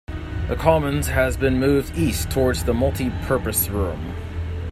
The commons has been moved east towards the multi purpose room.